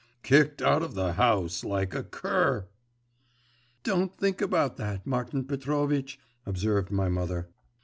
Kicked out of the house, like a cur!' 'Don't think about that, Martin Petrovitch,' observed my mother.